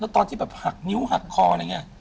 ตอนที่แบบหักนิ้วหักคออะไรอย่างนี้